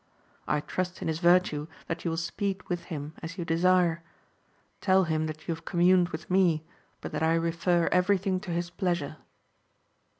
I trust in his virtue that you will speed with him, as you desire ; tell him that you have communed with me, but that I refer every thing to his pleasure.